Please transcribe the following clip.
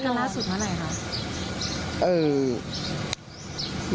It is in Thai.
เจอกันล่าสุดเมื่อไหนครับ